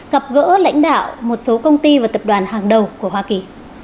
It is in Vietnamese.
gặp gỡ lãnh đạo một số công ty và tập đoàn hàng đầu của hoa kỳ